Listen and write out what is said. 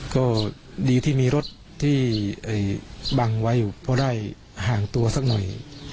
ก็ดีที่มีรถที่บังไว้อยู่เพราะได้ห่างตัวสักหน่อย